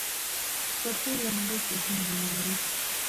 پخو لمبو کې هم رڼا وي